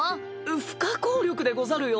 不可抗力でござるよ。